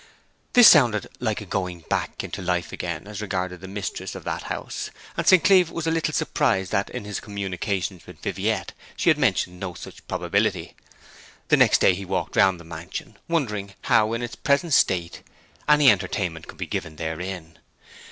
This seemed like a going back into life again as regarded the mistress of that house; and St. Cleeve was a little surprised that, in his communications with Viviette, she had mentioned no such probability. The next day he walked round the mansion, wondering how in its present state any entertainment could be given therein.